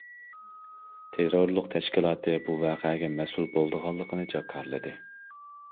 تېررورلۇق تەشكىلاتى بۇ ۋەقەگە مەسئۇل بولىدىغانلىقىنى جاكارلىدى.